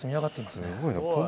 すごいな。